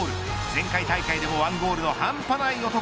前回大会でも１ゴールの半端ない男